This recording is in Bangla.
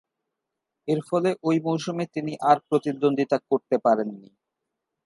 এরফলে ঐ মৌসুমে তিনি আর প্রতিদ্বন্দ্বিতা করতে পারেননি।